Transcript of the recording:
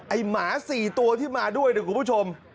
ไอ้หมา๔ตัวที่มาด้วยนะครับคุณผู้ชม